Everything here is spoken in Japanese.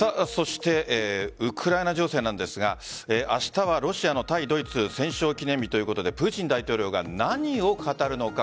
ウクライナ情勢なんですが明日はロシアの対ドイツ戦勝記念日ということでプーチン大統領が何を語るのか。